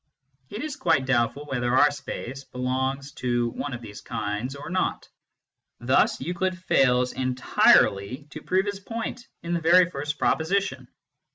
It is quite doubtful whether our space belongs to one of these kinds or not. Thus Euclid fails entirely to prove his point in the very first proposition.